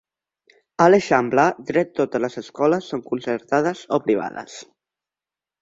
A l'Eixample dret totes les escoles són concertades o privades.